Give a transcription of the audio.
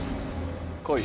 来い。